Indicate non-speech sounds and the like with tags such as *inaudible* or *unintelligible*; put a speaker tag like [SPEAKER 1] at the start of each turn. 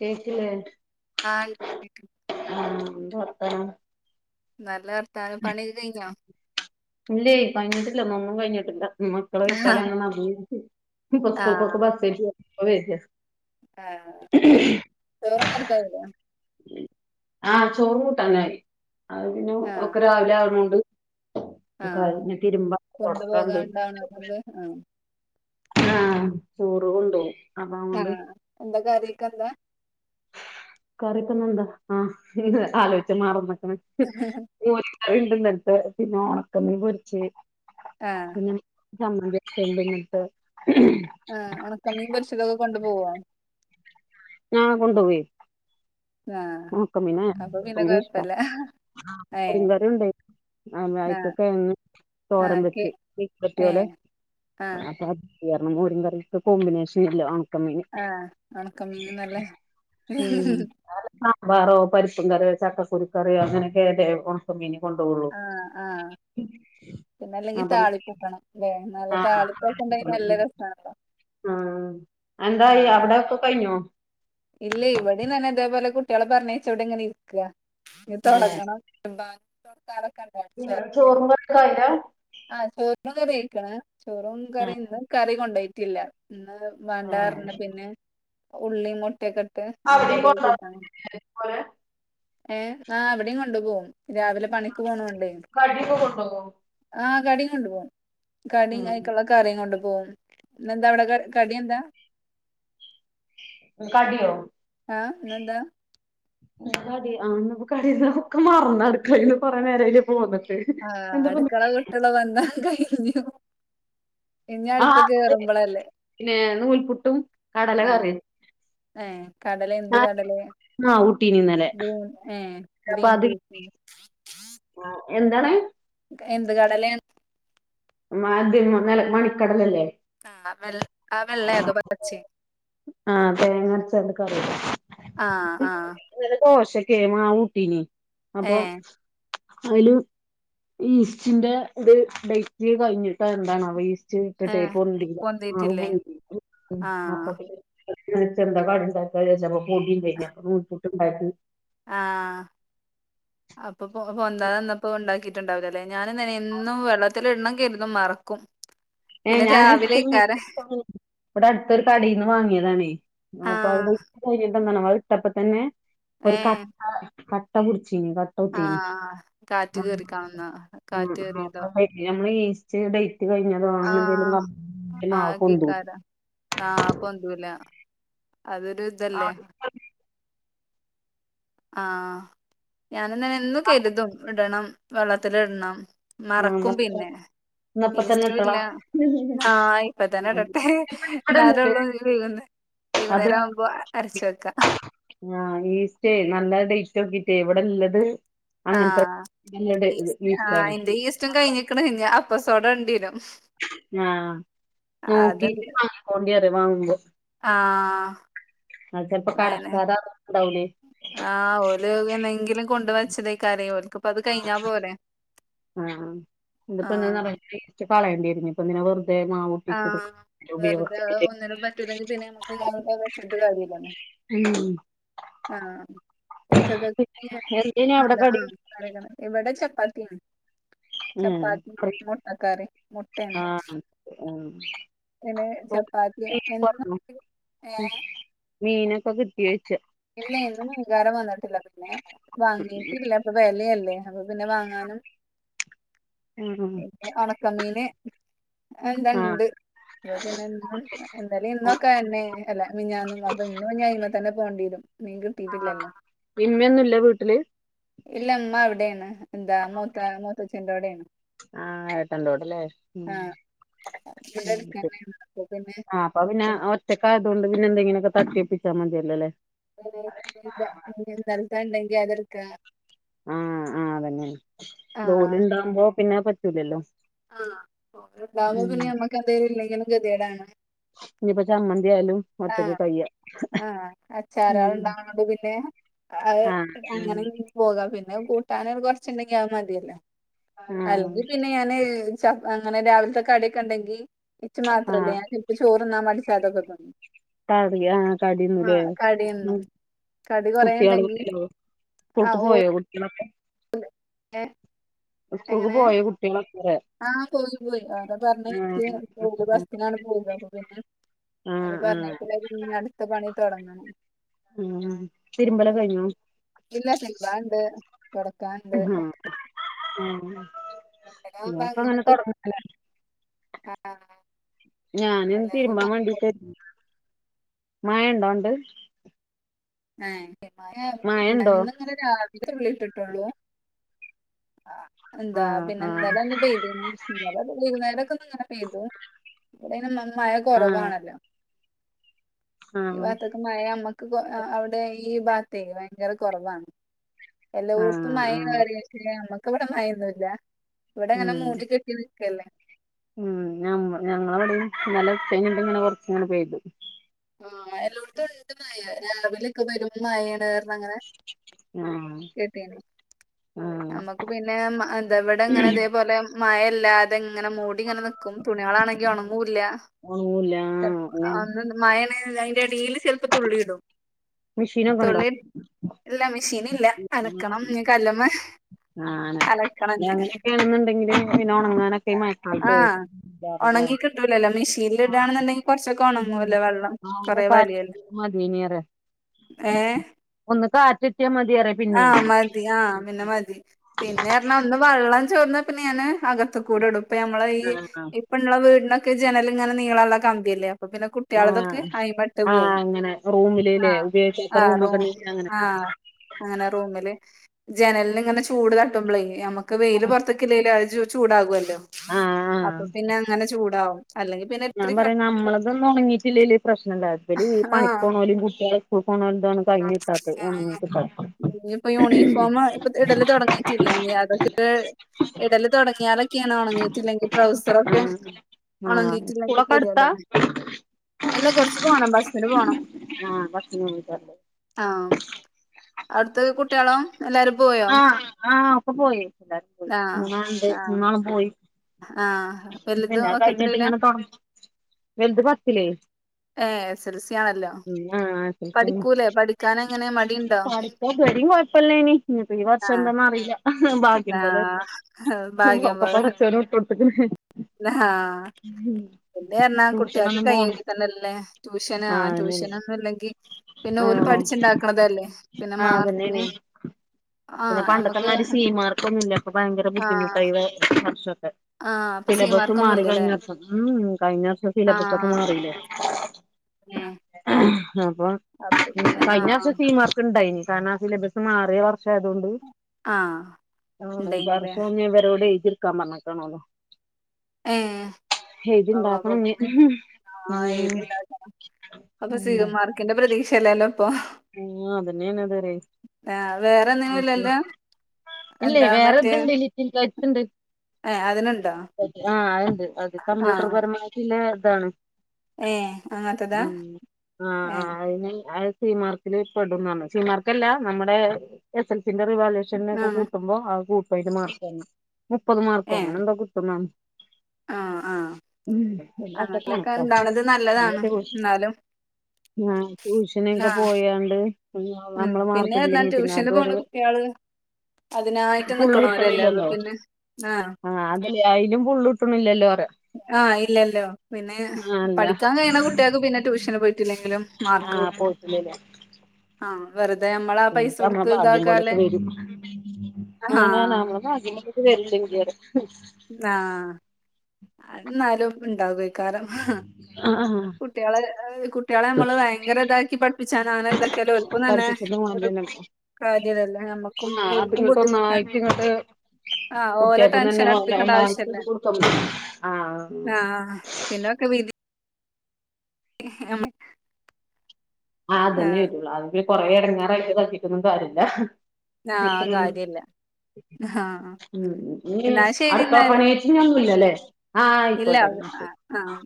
[SPEAKER 1] കേക്കില്ലേ
[SPEAKER 2] ആഹ് ഉണ്ട്
[SPEAKER 1] ആഹ് എന്ത്‌ വർത്തനം
[SPEAKER 2] നല്ല വർത്താനം പണിക്കെ കഴിഞ്ഞോ
[SPEAKER 1] ല്ലയ് കഴിഞ്ഞിട്ടില്ല ഇന്ന് ഒന്നും കഴിഞ്ഞിട്ടില്ല മക്കള ഒരുക്കലങ്ങനെ നടന്നു പോയിട്ട് പ്പ *unintelligible* സ്കൂൾക്കക്കെ
[SPEAKER 2] ആഹ്
[SPEAKER 1] ബസ് കേറ്റി പ്പ വെര
[SPEAKER 2] ആഹ് ചോറും കറിയൊക്കെ ആയില്ലെ
[SPEAKER 1] ആഹ് ചോറും കൂട്ടാനായി അത് പിന്നെ ഒക്കെ രാവിലെ ആവുണോണ്ട്
[SPEAKER 2] ആഹ്കൊണ്ടു
[SPEAKER 1] തൊടക്കാണ്ട്
[SPEAKER 2] പോകാണ്ടാണ് അതെ ആഹ്
[SPEAKER 1] ആഹ് ചോറ് കൊണ്ടോവും അപ്പൊ അതുകൊണ്ട്
[SPEAKER 2] ആഹ് എന്താ കറീക്കെന്താ
[SPEAKER 1] കറിപ്പന്നെ ന്താ ആ ആലോയ്ച് മാറന്ന്ക്ക്ൻ മൊര് കറിണ്ട് ന്നൽത്തെ പിന്നെ ഒണക്ക മീൻ പൊരിച്ച്
[SPEAKER 2] ആഹ് ആഹ് കൊണ്ടു പോകാണ്ടാണോ അതോ ആഹ് ആഹ് എന്താ കറിക്കെന്താ ആഹ്
[SPEAKER 1] പിന്നെ ചമ്മതി അരചത്ണ്ട് ന്നൽത്തെ
[SPEAKER 2] ആഹ് ഒണക്കമീൻപൊരിചതക്കൊ കൊണ്ടു പോവൊ
[SPEAKER 1] ആഹ് കൊണ്ടൊവയ്
[SPEAKER 2] ആഹ്
[SPEAKER 1] ഒണക്കമീൻ
[SPEAKER 2] അപ്പൊ പിന്നെ
[SPEAKER 1] മകൻഷ്ട
[SPEAKER 2] കൊഴപ്പല്ല
[SPEAKER 1] *unintelligible*
[SPEAKER 2] ഏഹ്
[SPEAKER 1] ഉണ്ടയ് ആ
[SPEAKER 2] ആഹ്
[SPEAKER 1] *unintelligible* എങ് തോര
[SPEAKER 2] ആഹ് കേ
[SPEAKER 1] വെച്ച് പറ്റിയലെ
[SPEAKER 2] ഏഹ് ആഹ്
[SPEAKER 1] കീറണം മോരും കറി ഒക്ക കോമ്പിനേഷൻ ഈലോ
[SPEAKER 2] ആ ഒണക്ക മീൻ നല്ല
[SPEAKER 1] ആ വാറോ പരിപ്പും കറിയോ ചക്കകുരു കറിയോ അങ്ങനെ കേത ഒനക്കമീൻ കൊണ്ടവൊള്ളു
[SPEAKER 2] ആഹ് ആഹ്
[SPEAKER 1] അപ്പൊ
[SPEAKER 2] അല്ലെ നല്ല താളിപ്പക്കെ ഉണ്ടെങ്കിൽ നല്ല രസാണല്ലോ
[SPEAKER 1] ആ എന്തായി അവടെ ഒക്ക കഴിഞ്ഞോ
[SPEAKER 2] ഇല്ലയ് വടിം തന്നെ തേപോലെ കുട്ടിയെലെ പറഞ്ഞച്ചയ്ചോണ്ട് ഇങ്ങനെ ഇരിക്കു ഇന്
[SPEAKER 1] ഏഹ്
[SPEAKER 2] തൊടങ്ങണം *unintelligible*
[SPEAKER 1] ചോറുകറിയൊക്കെ ആയില്ല
[SPEAKER 2] ആ ചോറും കറിആയ്ക്കൻ ചോറും കറിന്ന് കറി കൊണ്ടയ്റ്റില്ല ഇന്ന് വേണ്ട
[SPEAKER 1] ഏഹ്
[SPEAKER 2] അർന് പിന്നെ ഉള്ളി മുട്ടയൊക്കെ ഇട്ട് അങ്ങനെ
[SPEAKER 1] അവിടിം
[SPEAKER 2] ഒരു കൂട്ടാൻ
[SPEAKER 1] *unintelligible*
[SPEAKER 2] ഏ ആഹ് വടിം കൊണ്ടു പോവും രാവിലെ പണിക്ക് പോണണ്ടേയ്
[SPEAKER 1] കടിയൊക്കെണ്ടോവൊ
[SPEAKER 2] ആഹ് കടിം കൊണ്ട്പോവും കടി ആയിക്ള്ള കറിം കൊണ്ട്പോകും ന്നന്താ അവടെ കടിയന്താ
[SPEAKER 1] കടിയോ
[SPEAKER 2] ആഹ് ന്നന്താ
[SPEAKER 1] കടി ആ ന്ന്പ്പൊ കടിയെന്താ ഒക്കെ മറന്ന അടുക്കയിന്നു കൊറെ നെരായിലെ പോ വന്ന്ട്ട്
[SPEAKER 2] ആഹ് അടുക്കള വിട്ടുള്ള ബന്ധം കൈഞ്ഞു ഇന്ന്
[SPEAKER 1] ആ
[SPEAKER 2] അടുത്തൊ
[SPEAKER 1] അതെ
[SPEAKER 2] കേയറുമ്പളല്ലേ
[SPEAKER 1] പിന്നെ നൂൽപുട്ടും കടല
[SPEAKER 2] ആഹ്
[SPEAKER 1] കറിയും
[SPEAKER 2] ഏഹ് കടല എന്ത് കടലെ
[SPEAKER 1] മാവൂട്ടീനിന്നല്ലെ
[SPEAKER 2] ഗ്രീൻ ഏഹ് ഗ്രീൻപീസ്
[SPEAKER 1] ആഹ് എന്താണ്
[SPEAKER 2] എന്ത് കടലെ
[SPEAKER 1] ആദ്യം നില മണിക്കടലല്ലേ
[SPEAKER 2] ആഹ് വെള്ളെ അതൊ പച്ച
[SPEAKER 1] ആഹ് തേങ്ങ രച്ച കറി
[SPEAKER 2] ആഹ് ആഹ്
[SPEAKER 1] ഇന്നലെ ദോശക്കെ മാവൂട്ടീനി
[SPEAKER 2] ഏ
[SPEAKER 1] അപ്പൊ അയ്ല് ഈസ്റ്റിന്റെ ഒരു ഡേറ്റ് കഴിഞ്ഞിട്ട് എന്താണവോ ഈസ്റ്റ്
[SPEAKER 2] ഏ
[SPEAKER 1] ചീട്ടട്ടെ പൊന്തില്ല ആ
[SPEAKER 2] പൊന്തീട്ടില്ലേ ആ
[SPEAKER 1] അപ്പ പിന്നെ ചെന്താ കടിണ്ടാക്ക വിചാരിച്ച് അപ്പം പൊടിണ്ടായിനി അപ്പം നൂൽപുട്ട്ണ്ടാക്കി
[SPEAKER 2] ആഹ് അപ്പൊ പൊന്താതന്നപ്പോ ഉണ്ടാക്കി ണ്ടാവൂല്ലല്ലെ ഞാനും തന്നെ എന്നും വെള്ളത്തിലിടണം കരുതും മറക്കും
[SPEAKER 1] ഏഹ്
[SPEAKER 2] പിന്നെ
[SPEAKER 1] ഞാൻ ഇ
[SPEAKER 2] രാവിലെയ്ക്കാരം
[SPEAKER 1] *unintelligible* ഇവിടെ അടുത്തൊരു കടന്ന് വാങ്ങിയതാണേ
[SPEAKER 2] ആ
[SPEAKER 1] അപ്പ അവിടെ കഴിഞ്ഞിട്ടന്നെണ് അതിട്ടപ്പതന്നെ
[SPEAKER 2] ഏ
[SPEAKER 1] ഒരു ക കട്ട പുടിച്ചീനി
[SPEAKER 2] ആ കാറ്റ് കേറിക്കാണുന്നാ കാറ്റ് കേറിയതോ
[SPEAKER 1] *unintelligible* നമ്മളെ ഈസ്റ്റ് ഡേറ്റ് കഴിഞ്ഞ
[SPEAKER 2] ആ
[SPEAKER 1] *unintelligible* എന്തേലും മാവ് പൊന്തുല്ലാ
[SPEAKER 2] ആഹ് പൊന്തൂല്ല അതൊരു ഇതല്ലേ
[SPEAKER 1] *unintelligible*
[SPEAKER 2] ആഹ് ഞാനും തന്നെ എന്നും കരുതും ഇടണം വെള്ളത്തിൽ ഇടണം മറക്കും
[SPEAKER 1] ന്നാ
[SPEAKER 2] പിന്നെ
[SPEAKER 1] ന്നാ ഇപ്പ തന്നെ
[SPEAKER 2] ഈസ്റ്റും
[SPEAKER 1] ഇട്ടളാ
[SPEAKER 2] ഇല്ല ആഹ് ഇപ്പ തന്നെ ഇടട്ടെ
[SPEAKER 1] ഇവിടെണ്ട്
[SPEAKER 2] ഇന്നാലൊള്ളൂ വൈകുന്ന് വൈകുന്നേരം ആവുമ്പോ അരച്ച് വെക്കാ
[SPEAKER 1] ആഹ് ഈസ്റ്റേ നല്ല ഡേറ്റ് നോക്കിട്ടേ ഇവിടെള്ളത് അങ്ങനത്തെ
[SPEAKER 2] ആഹ്
[SPEAKER 1] *unintelligible* ഈസ്റ്റാണ്
[SPEAKER 2] റ്റും കഴിഞ്ഞിക്ക്ണ് ഇഞ്ഞ് അപ്പസോഡ ഇടണ്ടീരും
[SPEAKER 1] ആഹ് നോക്കീട്ട് വാങ്ങിക്കോണ്ടി പറയാ വാങ്ങുമ്പോ
[SPEAKER 2] ആഹ്
[SPEAKER 1] അഹ് ചെലപ്പോ
[SPEAKER 2] അങ്ങനെ
[SPEAKER 1] കടക്കാതാ ഇണ്ടാവൂലെ
[SPEAKER 2] ആഹ് ഓല് അഹ് എന്നെങ്കിലും കൊണ്ട് വച്ചതേക്കാരം ഓൽക്ക്പ്പത് കഴിഞ്ഞാ പോരെ
[SPEAKER 1] ആഹ് ഇത് ഇപ്പോ എന്താന്ന്
[SPEAKER 2] ആഹ്
[SPEAKER 1] അറിയോ ഈസ്റ്റ് കളയേണ്ടി വരും ഇഞ്ഞി ഇപ്പം എന്തിനാ വെറുതെ മാവ് പൊട്ടിച്ചത്
[SPEAKER 2] ആഹ് വെറുതെ അഹ്
[SPEAKER 1] ഉപയോഗിച്ചിട്ട്
[SPEAKER 2] ഒന്നിനും പറ്റൂല്ലെങ്കിൽ പിന്നെ നമ്മുക്ക് അഹ് വെച്ചിട്ട് കാര്യല്ലല്ലോ
[SPEAKER 1] ഉം
[SPEAKER 2] ആഹ് ഉച്ചക്കക്ക്
[SPEAKER 1] എന്തേനി അവിടെ
[SPEAKER 2] മാണ്ടാ
[SPEAKER 1] കടി
[SPEAKER 2] ആഹ് കറികള് ഇവിടെ ചപ്പാത്തിയാണ്
[SPEAKER 1] ഉം
[SPEAKER 2] ചപ്പാത്തി
[SPEAKER 1] കറി
[SPEAKER 2] മുട്ട കറിം മുട്ടയാണ്
[SPEAKER 1] ആഹ്
[SPEAKER 2] പിന്നെ ചപ്പാത്തി എന്നും
[SPEAKER 1] *unintelligible*
[SPEAKER 2] ഏ
[SPEAKER 1] മീനൊക്കെ കിട്ടിയോയ്ച്ചാ
[SPEAKER 2] ഇല്ല ഇന്ന് മീൻകാരൻ വന്നിട്ടില്ല പിന്നെ വാങ്ങീട്ടില്ല ഇപ്പൊ വെലയല്ലേ അപ്പൊ പിന്നെ വാങ്ങാനും
[SPEAKER 1] ഉം
[SPEAKER 2] പിന്നെ ഒണക്കമീന് എന്തോ
[SPEAKER 1] ആ
[SPEAKER 2] ഇണ്ട് അപ്പൊ പിന്നെ എന്നും ഇന്നലേം
[SPEAKER 1] ആ
[SPEAKER 2] ഇന്നൊക്കെ അതന്നെ അയ്നിം അല്ല മിനിഞ്ഞാന്നും അപ്പൊ ഇന്നും ഇഞ്ഞി അയ്മെ തന്നെ പോണ്ടി വരും മീൻ
[SPEAKER 1] ആഹ്
[SPEAKER 2] കിട്ടിയിട്ടില്ലല്ലോ
[SPEAKER 1] ഇമ്മൊന്നുല്ലേ വീട്ടില്
[SPEAKER 2] ഇല്ല ഇമ്മ അവിടെയാണ് എന്താ മൂത്ത മൂത്തച്ഛന്റെ അവിടെയാണ്
[SPEAKER 1] ആഹ് ഏട്ടന്റെ അവിടെ ലേ ഉം
[SPEAKER 2] ആ ഇവിടെ അടുത്ത് തന്നെയാണ് അപ്പൊ പിന്നെ
[SPEAKER 1] *inaudible* ആഹ് അപ്പ പിന്നെ
[SPEAKER 2] എടുക്കാൻ.
[SPEAKER 1] ഒ ഒറ്റക്കായതുകൊണ്ട് പിന്നെ എന്തെങ്കിലോക്കെ തട്ടി ഒപ്പിച്ചാൽ മതിയല്ലോല്ലേ
[SPEAKER 2] *inaudible* പിന്നെ ഇന്നലത്തെ ഇണ്ടെങ്കി അത്‌ എടുക്കാ
[SPEAKER 1] ഇത് ഓല്
[SPEAKER 2] ആഹ്
[SPEAKER 1] ഇണ്ടാവുമ്പോ പിന്നെ അത് പ റ്റൂലല്ലോ
[SPEAKER 2] ആഹ് ഓൽ ഇണ്ടാവുമ്പോ പിന്നെ നമ്മക്ക് എന്തേലും ഇല്ലെങ്കിലും കെതേടാണ്
[SPEAKER 1] ഇഞ്ഞിപ്പം ചമ്മന്തി ആയാലും ഒറ്റക്ക്
[SPEAKER 2] ആഹ്
[SPEAKER 1] കയ്യ
[SPEAKER 2] ആഹ്
[SPEAKER 1] ഉം
[SPEAKER 2] അച്ചാറാൾ ഉണ്ടാണോണ്ട് പിന്നെ അത്
[SPEAKER 1] ആഹ്
[SPEAKER 2] അങ്ങനേം പോകാം പിന്നെ കൂട്ടാനൊരു കൊറച്ചുണ്ടെങ്കി അത് മതിയല്ലോ
[SPEAKER 1] ആഹ്
[SPEAKER 2] അല്ലെങ്കിൽ പിന്നെ പിന്നെ ഞാന് ച അങ്ങനെ രാവിലത്തെകടി ഒക്കെ ഇണ്ടെങ്കിൽ ഇച്ച് മാത്രല്ലേ
[SPEAKER 1] ആഹ്
[SPEAKER 2] ഞാന് ചോറുണ്ണാൻ മടിച്ച് അതൊക്കെ തിന്നും
[SPEAKER 1] *unintelligible* ആഹ് കടിന്നൂലെ
[SPEAKER 2] ആഹ് കടിതിന്നും കടി കൊറേ
[SPEAKER 1] കുട്ടികള് *unintelligible*
[SPEAKER 2] ഉണ്ടെങ്കി
[SPEAKER 1] സ്ക്കൂൾക്ക് പോയോ *unintelligible*
[SPEAKER 2] ഏ
[SPEAKER 1] സ്കൂൾക്ക് പോയോ കുട്ട്യേളൊക്കെ
[SPEAKER 2] ആഹ് പോയി പോയി അത പറഞ്ഞയ്ച് *unintelligible* ബസ്സിനാണ് പോവാ അപ്പൊ പിന്നെ അത്
[SPEAKER 1] ആഹ്
[SPEAKER 2] പറഞയ്..
[SPEAKER 1] ആഹ്
[SPEAKER 2] *unintelligible* ഇനി അടുത്ത പണി തുടങ്ങണം
[SPEAKER 1] ഉം തിരുമ്പലൊകെ കഴിഞ്ഞോ
[SPEAKER 2] ഇല്ല തിരുമ്പാണ്ട് തുടക്കാണ്ട്
[SPEAKER 1] ഉം ക്ക് അങ്ങനെ
[SPEAKER 2] അങ്ങനൊക്കെ
[SPEAKER 1] തുടങ്ങ *unintelligible* ഞാന്
[SPEAKER 2] എല്ലാരും
[SPEAKER 1] തിരുമ്പാൻ വേണ്ടിട്ട് മാഴണ്ടോ ആണ്ട്
[SPEAKER 2] ഏഹ് *unintelligible*
[SPEAKER 1] മഴ ഉണ്ടോ
[SPEAKER 2] രാവിലെ തുള്ളി ട്ടിട്ടുള്ളൂ ആഹ് എന്താ
[SPEAKER 1] ആഹ്
[SPEAKER 2] പിന്നെ
[SPEAKER 1] ആഹ്
[SPEAKER 2] ഇന്നലെ ഒന്ന് പെയ്തിനു ഇന്നലെ *unintelligible* വൈകുന്നേരക്കെ ഒന്ന് ഇങ്ങനെ പെയ്തു *unintelligible* മഴ
[SPEAKER 1] ആഹ്
[SPEAKER 2] കുറവാണല്ലോ ഈ
[SPEAKER 1] ആഹ്
[SPEAKER 2] ഭാത്തൊക്കെ മഴ നമ്മക്ക് അവിടെ ഈ ഭാത്തേ ഭയങ്കര കുറവാണ് എല്ലോട്ത്തും
[SPEAKER 1] ആഹ്
[SPEAKER 2] മഴ
[SPEAKER 1] ആഹ്
[SPEAKER 2] കര്യോകെ നമ്മക്ക് വടെ മയൊന്നുല്ല ഇവിടെങ്ങനെ
[SPEAKER 1] ഉം
[SPEAKER 2] മൂടി കെട്ടി നിക്കല്ലേ
[SPEAKER 1] ഉം ഞ ഞങ്ങള ഇവിടെ ഇന്നലെഉച്ചകഴഞ്ഞിട്ട് ഇങ്ങനെ കൊറച്ഇങ്ങനെ പൈതു
[SPEAKER 2] ആഹ് എല്ലോട്ത്തും ഉണ്ട് മയ രാവിലൊക്കെ പെരും മഴണ് അർഞ് അങ്ങനെ
[SPEAKER 1] ആഹ്
[SPEAKER 2] *unintelligible*
[SPEAKER 1] ആഹ്
[SPEAKER 2] അമ്മക്ക് പിന്നെ തെ വടെങ്ങനെ തേപോലെ മഴല്ലാതെ ഇങ്ങനെ മൂടി ഇങ്ങനെ നി ക്കും തുണ്യാളാണെങ്കി ഒണങുല്ല
[SPEAKER 1] ഒണങ്ങൂല്ല ആഹ് അങ്ങനെ
[SPEAKER 2] *unintelligible* മഴണെ അയ്ന്റെ ടീല് ചെൽപ്പോ തുള്ളി ഇടും
[SPEAKER 1] മെഷീനൊക്കെ ഉണ്ടോ
[SPEAKER 2] തുള്ളി ഇല്ല മെഷീനില്ല അലക്കണം ഞ് കല്ല്മ്മെ
[SPEAKER 1] ആണ് ഞ് അങ്ങനെയൊക്കെ ണെന്നുണ്ടെങ്കില് ഉണങ്ങാനൊക്കെ ഈ മഴക്കാലത്ത്
[SPEAKER 2] ആഹ് ഒണങ്ങി കിട്ടൂലല്ലോ മെഷീൻല് ഇടാണെന്നുണ്ടെങ്കി കുറച്ചൊക്കെ ഉണങ്ങുല്ലേ വെള്ളം കുറെ വലിയല്ലേ
[SPEAKER 1] മത്യേഞ് അറ്യ
[SPEAKER 2] ഏഹ്
[SPEAKER 1] ഒന്ന് കാറ്റട്ട്യായാ മതിയറ
[SPEAKER 2] ആഹ് മതി ആഹ് പിന്നെ മതി അർഞ പിന്നെ ഒന്ന് വെള്ളം ചോർന്ന പിന്നെ ഞാന് അക ത്ത് കൂടെ ഇടും ഇപ്പ നമ്മള ഈ
[SPEAKER 1] ആഹ്
[SPEAKER 2] ഇപ്പ ഉള്ള വീടിനൊക്കെ ജനല് ഇങ്ങനെ നീളള്ള കമ്പിയെല്ലേ അപ്പൊ പിന്നെ
[SPEAKER 1] ആഹ്
[SPEAKER 2] കുട്ട്യേൾതൊക്കെ ആയി മട്ട്
[SPEAKER 1] ആഹ്
[SPEAKER 2] പോകും
[SPEAKER 1] അങ്ങനെ റൂമില്ല്ലേ
[SPEAKER 2] ആഹ്
[SPEAKER 1] ഉപയോഗിക്കാത്ത
[SPEAKER 2] ആഹ് റോ
[SPEAKER 1] റൂമൊക്കെ ഉണ്ടെങ്കിൽ അങ്ങനെ
[SPEAKER 2] ആഹ് അങ്ങനെ റൂമില് ജനൽന് ഇങ്ങനെ ചൂട് തട്ടുമ്പളേ നമ്മുക്ക് വെയില് പുറത്തക്കില്ലേലു അഹ് ജൂ ചൂടാകോല്ലോ
[SPEAKER 1] ആഹ് ആഹ്
[SPEAKER 2] അപ്പൊ പിന്നെ അങ്ങനെ ചൂടാവും അല്ലെങ്കി പിന്നെ
[SPEAKER 1] ഞാൻ
[SPEAKER 2] ഇത്തിരി
[SPEAKER 1] പറയും നമ്മളതൊന്നും ഉണങ്ങീട്ടില്ലേല് പ്രശ്നല്ല ഇവല് പണിക്കോണോലിം കുട്ട്യാള് സ്കൂൾ പോണോൽതാണ്
[SPEAKER 2] ആഹ് ഇഞ്ഞിപ്പോ യൂണിഫോം ഇപ്പ ഇടല് തുടങ്ങിട്ടില്ലെ ഞ് അതൊക്കെ ഇടല് തുടങ്ങിയാലൊക്കെണ് ഉണങ്ങിയിട്ടില്ലെങ്കി ട്രൗസറൊക്കെ
[SPEAKER 1] ആഹ് ആഹ്
[SPEAKER 2] ഒണങ്ങിയിട്ടില്ലെങ്കി
[SPEAKER 1] സ്കൂളൊക്കടുത്ത?
[SPEAKER 2] ഗതികേടല്ലേ അല്ല കൊറച്ച് പോണം ബസ്സിന് പോണം
[SPEAKER 1] ആഹ് ബസ്സിനോവൊക്കാരല്ലെ?
[SPEAKER 2] ആഹ് ഔടുത്തെഹ് കുട്ട്യേളോ എല്ലാരും പോയോ?
[SPEAKER 1] ആഹ് ആഹ് ഒക്കെ പോയി എല്ലാരും പോയി
[SPEAKER 2] ന്നാ
[SPEAKER 1] മൂന്നാളുണ്ട്
[SPEAKER 2] ആഹ്
[SPEAKER 1] മൂന്നാളും പോയി
[SPEAKER 2] ആഹ് വലുത്
[SPEAKER 1] *unintelligible*
[SPEAKER 2] ഒക്കെ
[SPEAKER 1] കഴിഞ്ഞിട്ട്
[SPEAKER 2] എത്രയിലാ
[SPEAKER 1] ഇങ്ങനെ തു വലുത് പത്തിലേ
[SPEAKER 2] ഏഹ് എസ് എൽ സി ആണല്ലോ
[SPEAKER 1] *unintelligible*
[SPEAKER 2] പഠിക്കൂലേ പഠിക്കാനെങ്ങനെ മടിണ്ടോ?
[SPEAKER 1] ഇപ്പോതരിൻ കുഴപ്പല്ലേനി ഇനിപ്പ ഈ വർഷം
[SPEAKER 2] ആഹ്
[SPEAKER 1] എന്താന്നറില്ല. ഭാഗ്യം പോലെ
[SPEAKER 2] ആഹ്
[SPEAKER 1] ഒക്കെ പടച്ചോനാ വിട്ട്ടുത്തക്ണ്.
[SPEAKER 2] നഹാ പിന്നെർഞ്ഞ കുട്ടിൾക്ക്
[SPEAKER 1] ട്യൂഷനൊന്നും പോണ്
[SPEAKER 2] കയ്യെങ്കി തന്നെല്ല ട്യൂഷന് ആ
[SPEAKER 1] ആഹ് അതന്നെയാണ്
[SPEAKER 2] ട്യൂഷനൊന്നുല്ലെങ്കി പിന്നെ ഓല്
[SPEAKER 1] ആഹ്
[SPEAKER 2] പഠിച്ച്ണ്ടാക്കണതല്ലേ പിന്നെ
[SPEAKER 1] ആഹ്
[SPEAKER 2] മാർക്ക
[SPEAKER 1] അതന്നെയാണ് പിന്നെ പണ്ടൊത്തെ മാതിരി സീമാർക്കൊന്നുല്ലൊപ്പൊ ഭയങ്കര
[SPEAKER 2] ആഹ്
[SPEAKER 1] ബുദ്ധിമുട്ടായി വർഷക്കെ.
[SPEAKER 2] ആഹ് അപ്പൊ സി
[SPEAKER 1] സിലബസ്
[SPEAKER 2] മാർക്കൊന്നും
[SPEAKER 1] മാറി
[SPEAKER 2] ഇല്ലല്ലേ
[SPEAKER 1] കഴിഞ്ഞ വർഷം ഉം കഴിഞ്ഞ വർഷം സിലബസൊക്കെ മാറില്ലേ?
[SPEAKER 2] ഉം
[SPEAKER 1] അപ്പൊ കഴിഞ്ഞ
[SPEAKER 2] ആഹ്
[SPEAKER 1] വർഷം സീംമാർക്ക് ണ്ടായിനി കാരണം ആ സിലബസ് മാറിയവർ ശയതൊണ്ട്
[SPEAKER 2] ആഹ്
[SPEAKER 1] ആഹ് ഈ
[SPEAKER 2] ഇണ്ടേയ്നില്ലേ
[SPEAKER 1] വർഷം ഇവരോട് എഴുതിട്ക്കാൻ പറഞ്ഞക്കണോല്ലോ.
[SPEAKER 2] ഏഹ് ആഹ് അപ്പ
[SPEAKER 1] എഴുതിണ്ടാക്കണം ഇനി
[SPEAKER 2] പിന്നെ
[SPEAKER 1] ഉം
[SPEAKER 2] ആഹ് എയ്തിണ്ടക്കണം അപ്പ
[SPEAKER 1] ഉം
[SPEAKER 2] സീ മാ ക്കിന്റെ പ്രതീക്ഷല്ലലോ ഇപ്പൊ?
[SPEAKER 1] ആഹ് അതന്നെയന്നെറ
[SPEAKER 2] ആഹ് വേറെന്നിനുല്ലല്ലോ
[SPEAKER 1] ഇല്ലേ
[SPEAKER 2] എന്താ മറ്റേ
[SPEAKER 1] വേറെതുണ്ട് ലിറ്റൽ കൈറ്റ്സ്ണ്ട്.
[SPEAKER 2] ഏഹ് അതിനുണ്ടോ?
[SPEAKER 1] ആഹ് അത്ണ്ട് അത് കമ്പ്യൂട്ടർ
[SPEAKER 2] ആഹ്
[SPEAKER 1] പരമായിട്ടുള്ള ഇതാണ്.
[SPEAKER 2] ഏഹ് അങ്ങനത്തതാ
[SPEAKER 1] മ് ആഹ്
[SPEAKER 2] ഏഹ്
[SPEAKER 1] അയന് അ സി മാർക്കില് പെടും പറഞ് സിമാർക്കല്ല നമ്മുടെ എസ് എൽ സിന്റെ റിവ ഷനൊക്കെ
[SPEAKER 2] ആഹ്
[SPEAKER 1] കൂട്ടുമ്പോ ആ കൂട്ടുമയ്ന്റെമാർക്ക് മുപ്പത് മാർക്കൊ
[SPEAKER 2] ഏഹ്
[SPEAKER 1] അങ്ങനെ എന്താ കിട്ടും പറഞ്
[SPEAKER 2] ആഹ് ആഹ്
[SPEAKER 1] ഉം പിന്നെക്ക
[SPEAKER 2] അങ്ങനത്തെലൊക്കെ
[SPEAKER 1] കാണക്കാ
[SPEAKER 2] ഇണ്ടാവണത് നല്ലതാണ്
[SPEAKER 1] *unintelligible*
[SPEAKER 2] എന്നാലും
[SPEAKER 1] ആഹ് ട്യൂഷനൊക്കെ
[SPEAKER 2] ആഹ്
[SPEAKER 1] പോയാണ്ട്
[SPEAKER 2] ഉം
[SPEAKER 1] നമ്മളെ
[SPEAKER 2] പിന്നെ എന്നാ
[SPEAKER 1] മാർക്കല്ലെങ്കി പിന്നെ
[SPEAKER 2] ട്യൂഷന് പോണ
[SPEAKER 1] അതരു
[SPEAKER 2] കുട്ടികള് അതിനായിട്ട്
[SPEAKER 1] ഫുള്ള്
[SPEAKER 2] നിക്കണോരല്ലേ അപ്പൊ
[SPEAKER 1] കിട്ടലില്ലല്ലോ
[SPEAKER 2] പിന്നെ
[SPEAKER 1] ആഹ് അതല്ല അയ്ലും ഫുള്ള്ട്ടണില്ലല്ലോ പറ
[SPEAKER 2] ആഹ് ഇല്ലല്ലോ പിന്നെ
[SPEAKER 1] അല്ല
[SPEAKER 2] പഠിക്കാൻ കഴിയണ കുട്ടികൾക്ക് പിന്നെ ട്യൂഷന് പോയിട്ടില്ലെങ്കിലും. മാർക്ക്
[SPEAKER 1] ആഹ്
[SPEAKER 2] കിട്ടും
[SPEAKER 1] പോയിട്ടില്ലിലും
[SPEAKER 2] ആഹ് വെറുതെ നമ്മളാ പൈസ
[SPEAKER 1] എന്നിട്ട് നമ്മെളെ
[SPEAKER 2] കൊടുത്ത്
[SPEAKER 1] ഭാഗ്യം പോലോക്ക
[SPEAKER 2] ഇതാക്കാല്ലേ
[SPEAKER 1] വരും
[SPEAKER 2] ആഹ്
[SPEAKER 1] അങ്ങനെയാണ് നമ്മളെ ഭാഗ്യം പോലൊക്കെ *unintelligible*
[SPEAKER 2] ആഹ്അത് ന്നലും ഇണ്ടാവയ്ക്കാരം കുട്ട്യേ ൾ അഹ് കുട്ടി ട്ടിളെ നമ്മള് ഭയങ്കര ഇതാക്കി പഠിപ്പിച്ചാണ് ആങ്ങനെ ഇതാക്കിയാലോ ഒൽക്ക് തന്നെ
[SPEAKER 1] പഠിപ്പിച്ചിട്ടും
[SPEAKER 2] ഒരു
[SPEAKER 1] കാര്യല്ല
[SPEAKER 2] കാര്യല്ലല്ലോ നമ്മക്കും
[SPEAKER 1] ആ അത്
[SPEAKER 2] ഓൽക്കും
[SPEAKER 1] ഇങ്ങട്ട്
[SPEAKER 2] ബുദ്ധിമുട്ടാണ്
[SPEAKER 1] ഒന്നായിട്ട് ഇങ്ങട്ട്
[SPEAKER 2] ആഹ് ഓലെ ടെൻഷനടു
[SPEAKER 1] ഒന്നാമത്ത ത് കൊടുക്കാം പറ്റൊ ആഹ്
[SPEAKER 2] ആഹ് പിന്നൊക്കെ വി *unintelligible*
[SPEAKER 1] ആഹ്
[SPEAKER 2] ആ
[SPEAKER 1] അതന്നെ വരൊള്ളൂ അത് പിന്നെ കൊറെ എടങ്ങാറായിട്ട് താക്കിട്ടൊന്നും കാര്യല്ല.
[SPEAKER 2] ആ
[SPEAKER 1] അത്രയൊള്ളൂ
[SPEAKER 2] കാര്യല്ല ആ
[SPEAKER 1] ഇഞ്
[SPEAKER 2] എന്നാ ശരി എന്നാല്
[SPEAKER 1] അടക്കളപ്പണി ഇഞ്ഞൊന്നുല്ല ലേ
[SPEAKER 2] ഇല്ല അഹ് അഹ്